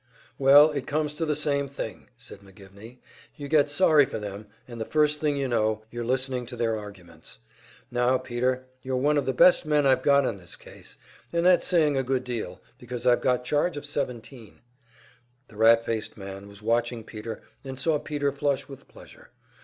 "Well, it comes to the same thing," said McGivney. "You get sorry for them, and the first thing you know, you're listening to their arguments. Now, Peter, you're one of the best men I've got on this case and that's saying a good deal, because I've got charge of seventeen." The rat faced man was watching Peter, and saw Peter flush with pleasure.